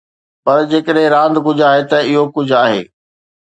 پر جيڪڏهن راند ڪجهه آهي، ته اهو ڪجهه آهي.